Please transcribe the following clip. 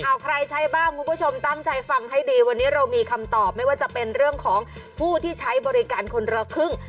เอาใครใช้บ้างคุณผู้ชมตั้งใจฟังให้ดีวันนี้เรามีคำตอบไม่ว่าจะเป็นเรื่องของผู้ที่ใช้บริการคนละครึ่ง